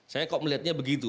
saya kok melihatnya begitu